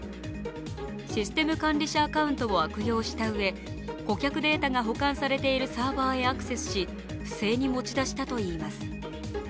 システム管理者アカウントを悪用したうえ顧客データが補完されているサーバにアクセスし不正に持ち出したといいます。